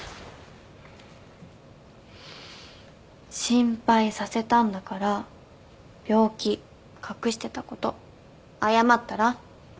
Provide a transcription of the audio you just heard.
心配させたんだから病気隠してたこと謝ったら？